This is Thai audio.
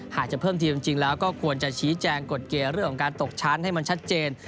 หากจะเพิ่มทีมจริงแล้วก็ควรจะชี้แจงกฎเกณฑ์เรื่องของการตกชั้นให้มันชัดเจน